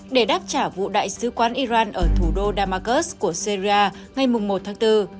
để đáp trả vụ đại sứ quán iran ở thủ đô damasus của syria ngày một tháng bốn